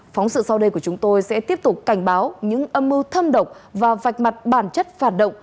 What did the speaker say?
phóng sự sau đây của chúng tôi sẽ tiếp tục cảnh báo những âm mưu thâm độc và vạch mặt bản chất phản động